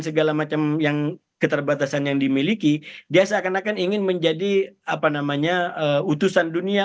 segala macam yang keterbatasan yang dimiliki dia seakan akan ingin menjadi apa namanya utusan dunia